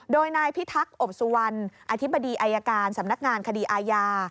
โดยนายพิทักษ์อบสุวรรณอธิบดีอายการสำนักงานคดีอาญา